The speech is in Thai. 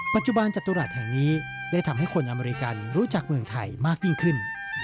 ปัจจุบันจตุรัสแห่งนี้ได้ทำให้คนอเมริกันรู้จักเมืองไทยมากยิ่งขึ้น